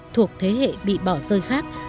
thuộc thế hệ bị bỏ rơi khác